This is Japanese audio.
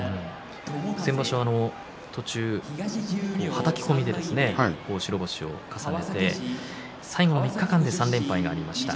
先場所、途中はたき込みで白星を重ねて最後３日間で３連敗がありました。